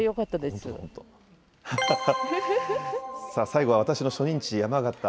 最後は私の初任地、山形。